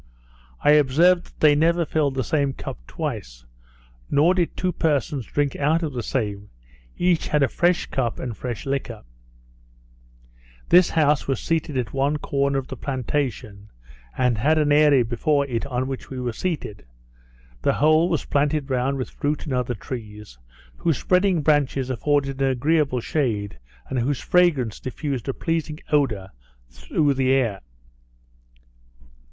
I observed that they never filled the same cup twice; nor did two persons drink out of the same; each had a fresh cup and fresh liquor. This house was situated at one corner of the plantation, and had an area before it on which we were seated. The whole was planted round with fruit and other trees, whose spreading branches afforded an agreeable shade, and whose fragrance diffused a pleasing odour through the air.